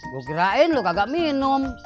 gue kirain lu kagak minum